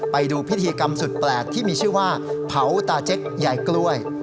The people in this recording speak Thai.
ไปดูพิธีกรรมสุดแปลกที่มีชื่อว่าเผาตาเจ๊กยายกล้วย